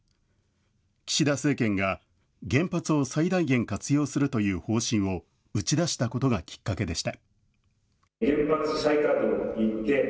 岸田政権が原発を最大限活用するという方針を打ち出したことがきっかけでした。